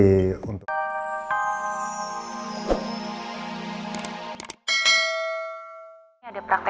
eh anak mama udah rapi